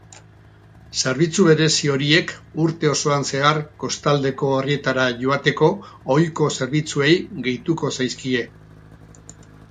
Zerbitzu berezi horiek urte osoan zehar kostaldeko herrietara joateko ohiko zerbitzuei gehituko zaizkie.